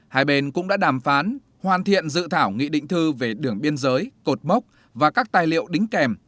hai bên cũng đã đàm phán hoàn thiện dự thảo nghị định thư về đường biên giới cột mốc và các tài liệu đính kèm